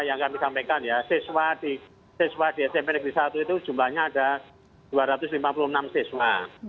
yang kami sampaikan ya siswa di smp negeri satu itu jumlahnya ada dua ratus lima puluh enam siswa